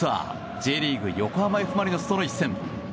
Ｊリーグ横浜Ｆ・マリノスとの一戦。